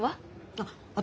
あっ私